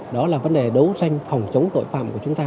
đó là vấn đề đấu tranh phòng chống tội phạm của chúng ta